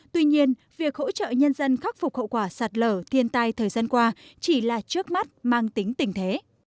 tuy nhiên việc hỗ trợ nhân dân khắc phục hậu quả sạt lở thiên tai thời gian qua chỉ là trước mắt mang tính tình thế